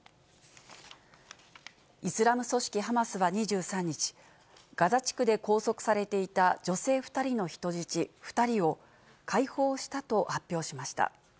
イスラム組織ハマスは２３日、ガザ地区で拘束されていた女性２人の人質２人を解放したと発表しました。